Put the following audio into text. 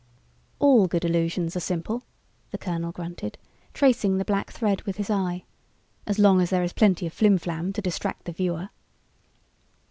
"All good illusions are simple," the colonel grunted, tracing the black thread with his eye. "As long as there is plenty of flimflam to distract the viewer."